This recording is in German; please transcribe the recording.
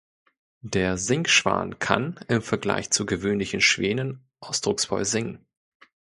Der Singschwan kann, im Vergleich zu gewöhnlichen Schwänen, ausdrucksvoll singen.